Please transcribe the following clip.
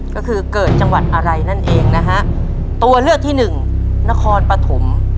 ก็คือเกิดจังหวัดอะไรนั่นเองนะฮะตัวเลือกที่หนึ่งนครปฐม